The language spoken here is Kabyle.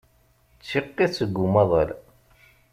D tiqit seg umaḍal.